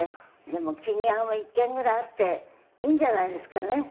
金魚屋も１軒ぐらいあっていいんじゃないですかね。